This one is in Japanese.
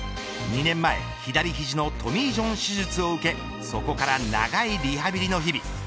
２年前、左ひじのトミージョン手術を受けそこから長いリハビリの日々。